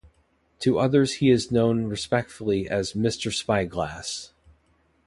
To others he is known respectfully as 'Mr Spyglass.